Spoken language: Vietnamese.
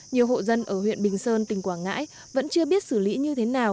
nhiều hộ dân ở huyện bình sơn tỉnh quảng ngãi vẫn chưa biết xử lý như thế nào